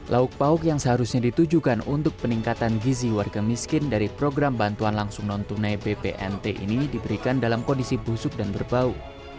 lauk pauk yang seharusnya ditujukan untuk peningkatan gizi warga miskin dari program bantuan langsung non tunai bpnt ini diberikan dalam kondisi busuk dan berbau